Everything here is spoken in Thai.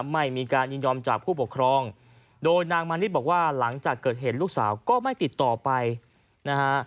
ไม่มีการยินยอมจากผู้ปกครองโดยนางมานิดบอกว่าหลังจากเกิดเหตุลูกสาวก็ไม่ติดต่อไปนะฮะ